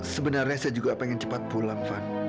sebenarnya saya juga ingin cepat pulang